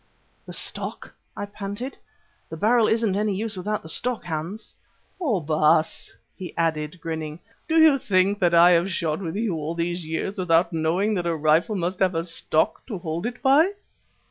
"The stock?" I panted. "The barrel isn't any use without the stock, Hans." "Oh! Baas," he answered, grinning, "do you think that I have shot with you all these years without knowing that a rifle must have a stock to hold it by?"